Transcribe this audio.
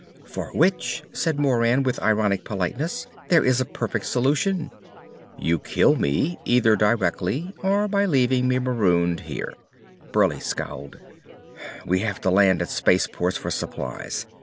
"For which," said Moran with ironic politeness, "there is a perfect solution. You kill me, either directly or by leaving me marooned here." Burleigh scowled. "We have to land at space ports for supplies.